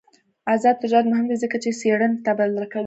آزاد تجارت مهم دی ځکه چې څېړنې تبادله کوي.